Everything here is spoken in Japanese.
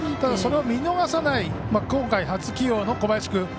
それを見逃さない今回、初起用の小林君。